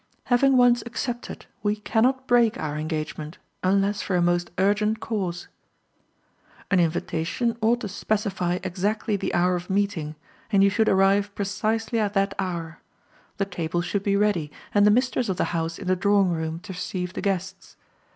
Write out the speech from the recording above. Having once accepted, we cannot break our engagement, unless for a most urgent cause. An invitation ought to specify exactly the hour of meeting, and you should arrive precisely at that hour. The table should be ready, and the mistress of the house in the drawing room, to receive the guests.